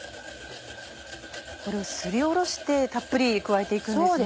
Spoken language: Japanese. すりおろしてたっぷり加えて行くんですね。